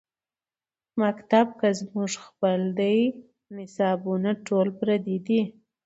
مکتب کۀ زمونږ خپل دے نصابونه ټول پردي دي